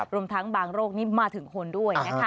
รวมทั้งบางโรคนี้มาถึงคนด้วยนะคะ